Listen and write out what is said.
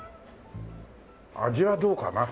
味はどうかな？